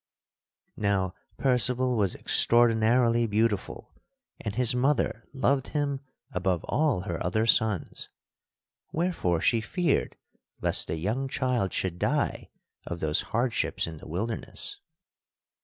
Now, Percival was extraordinarily beautiful and his mother loved him above all her other sons. Wherefore she feared lest the young child should die of those hardships in the wilderness.